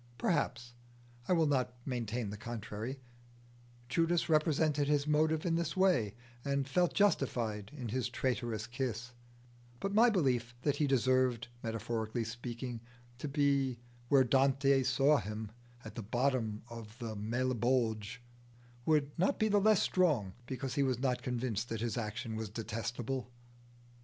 Perhaps I will not maintain the contrary Judas represented his motive in this way, and felt justified in his traitorous kiss; but my belief that he deserved, metaphorically speaking, to be where Dante saw him, at the bottom of the Malebolge, would not be the less strong because he was not convinced that his action was detestable.